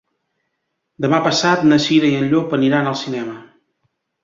Demà passat na Cira i en Llop aniran al cinema.